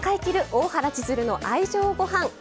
大原千鶴の愛情ごはん」。